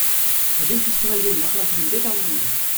Вӗсем фестивальтен наградӑсемпе таврӑннӑ.